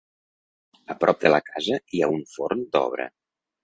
A prop de la casa hi ha un forn d'obra.